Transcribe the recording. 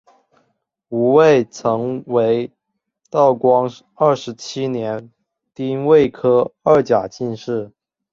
吴慰曾为道光二十七年丁未科二甲进士。